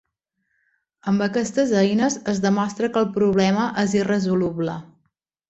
Amb aquestes eines es demostra que el problema és irresoluble.